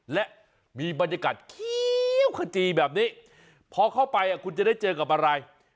และมีบรรยากาศเขียวขจีแบบนี้พอเข้าไปคุณจะได้เจอกับอะไร